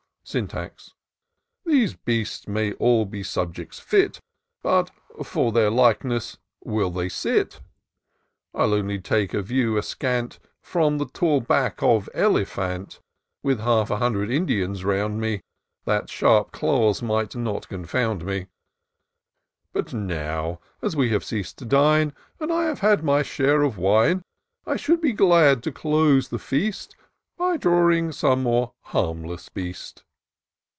Syntax. ^' These beasts may all be subjects fit ; But for their likeness will they sit ? I'd only take a view askaunt, From the tall back of elephant ; With half an hundred Indians round me. That such sharp claws might not confound me: But now, as we have ceas'd to dine. And I have had my share of wine, I should be glad to close the feast By drawing some more harmless beast."